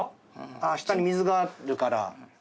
ああ下に水があるから。